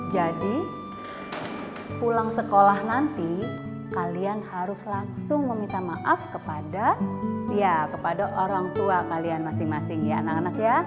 jadi pulang sekolah nanti kalian harus langsung meminta maaf kepada orang tua kalian masing masing ya anak anak ya